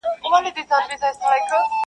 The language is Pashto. ایله چي په امان دي له واسکټه سوه وګړي.!